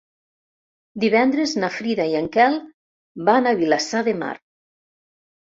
Divendres na Frida i en Quel van a Vilassar de Mar.